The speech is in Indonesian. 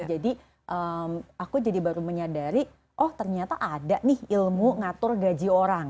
jadi aku jadi baru menyadari oh ternyata ada nih ilmu ngatur gaji orang